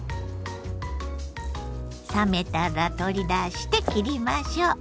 冷めたら取り出して切りましょう。